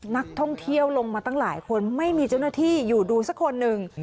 นักท่องเที่ยวลงมาตั้งหลายคนไม่มีเจ้าหน้าที่อยู่ดูสักคนหนึ่ง